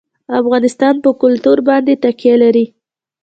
افغانستان په کلتور باندې تکیه لري.